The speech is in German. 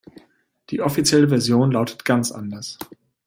Die offizielle Version lautet ganz anders.